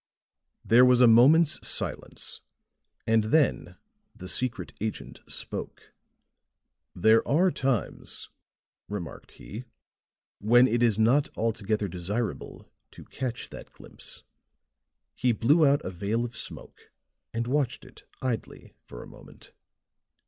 There was a moment's silence, and then the secret agent spoke. "There are times," remarked he, "when it is not altogether desirable to catch that glimpse." He blew out a veil of smoke and watched it idly for a moment.